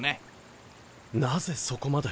なぜそこまで。